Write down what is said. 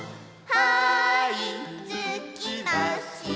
「はーいつきました」